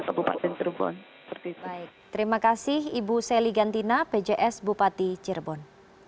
selanjutnya terangkat yang ada di wilayah bupati cirebon